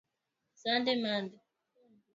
Kuja kwangu kesho